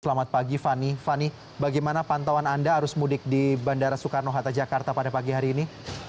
selamat pagi fani fani bagaimana pantauan anda arus mudik di bandara soekarno hatta jakarta pada pagi hari ini